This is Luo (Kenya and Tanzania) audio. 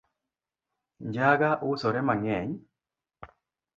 Njaga usore mang'eny